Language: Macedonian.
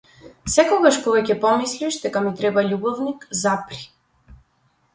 Секогаш кога ќе помислиш дека ми треба љубовник, запри.